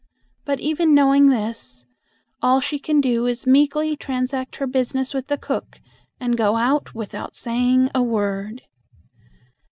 But even knowing this, all she can do is to meekly transact her business with the cook and go out without saying a word.